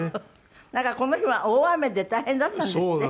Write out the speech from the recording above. なんかこの日は大雨で大変だったんですって？